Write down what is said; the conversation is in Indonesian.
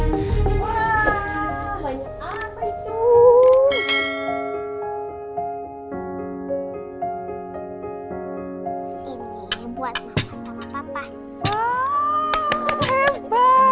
ini buat mama sama papa